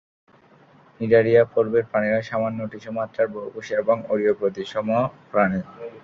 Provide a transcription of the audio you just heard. Cnidaria পর্বের প্রাণীরা সামান্য টিস্যু মাত্রার, বহুকোষী এবং অরীয় প্রতিসম প্রাণী।